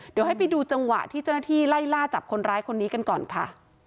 เดี๋ยวให้ไปดูจังหวะที่เจ้าหน้าที่ไล่ล่าจับคนร้ายคนนี้กันก่อนค่ะ